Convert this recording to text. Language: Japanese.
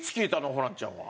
ホランちゃんは。